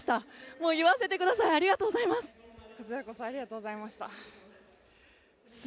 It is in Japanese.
もう言わせてくださいありがとうございます。